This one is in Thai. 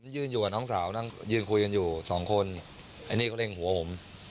ยืนอยู่กับน้องสาวนั่งยืนคุยกันอยู่สองคนไอ้นี่เขาเร่งหัวผม